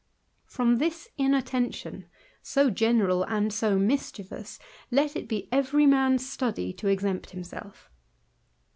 From this inattention, so general and so mischievous^ W it be every man's study to exempt himself.